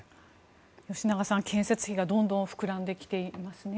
吉永さん、建設費がどんどん膨らんできていますね。